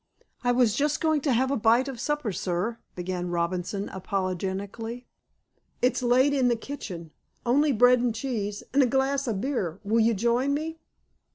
"I was just going to have a bite of supper, sir," began Robinson apologetically. "It's laid in the kitchen. On'y bread and cheese an' a glass of beer. Will you join me?"